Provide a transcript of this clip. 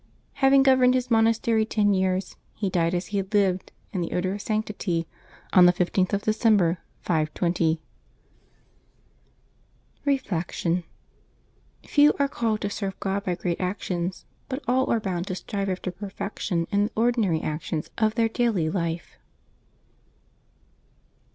Having governed his monastery ten years, he died as he had lived, in the odor of sanctity, on the 15th of December, 520. 380 LIVES OF THE SAINTS [December 17 Reflection. — Few are called to serve God by great actions, but all are bound to strive after perfection in the ordinary actions of their daily life.